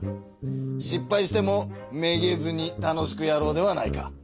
しっぱいしてもめげずに楽しくやろうではないか。